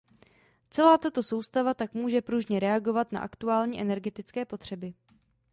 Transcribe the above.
Celá tato soustava tak může pružně reagovat na aktuální energetické potřeby.